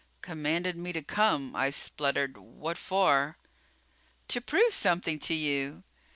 "Commanded me to come!" I spluttered. "What for?" "To prove something to you.